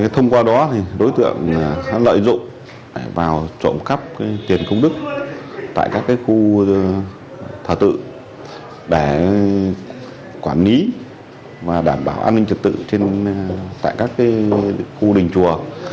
thông qua đó đối tượng đã lợi dụng vào trộm cắp tiền công đức tại các khu thờ tự để quản lý và đảm bảo an ninh trật tự tại các khu đình chùa